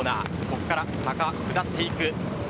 ここから坂を下っていく。